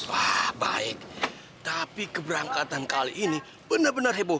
wah baik tapi keberangkatan kali ini benar benar heboh